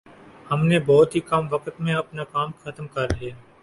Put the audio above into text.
ھم نے بہت ہی کم وقت میں اپنا کام ختم کرلیا